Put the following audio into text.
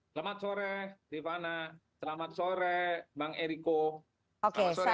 selamat sore rifana selamat sore bang eriko